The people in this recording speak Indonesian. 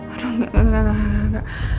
aduh enggak enggak enggak enggak